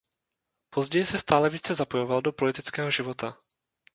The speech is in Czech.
Později se stále více zapojoval do politického života.